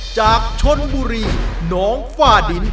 จากชนบุรีน้องฝ้าดิน